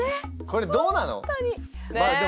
これどうなの？